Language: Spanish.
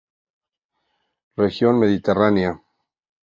Región Mediterránea.